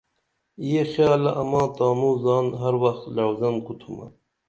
یہ خیالہ اماں تانوں زان ہر وخ لعوزن کُوتُھمہ